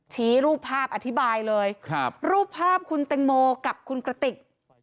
ชี้รูปภาพอธิบายเลยรูปภาพคุณแตงโมกับคุณกระติก